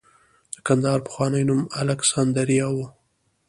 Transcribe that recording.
د کندهار پخوانی نوم الکسندریا و